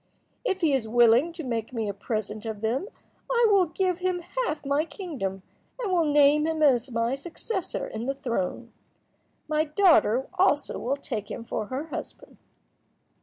If he is willing to make me a present of them I will give him half my kingdom, and will name him as my successor in the throne. My daughter also will take him for her husband."